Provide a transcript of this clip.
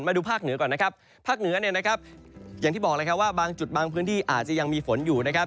มาดูภาคเหนือก่อนนะครับภาคเหนือเนี่ยนะครับอย่างที่บอกเลยครับว่าบางจุดบางพื้นที่อาจจะยังมีฝนอยู่นะครับ